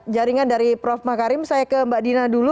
jaringan dari prof makarim saya ke mbak dina dulu